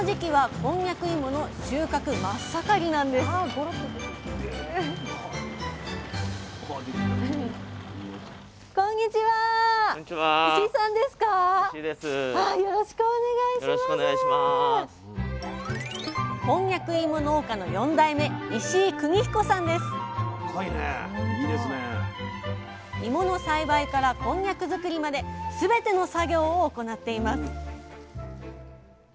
こんにゃく芋農家の４代目芋の栽培からこんにゃく作りまで全ての作業を行っています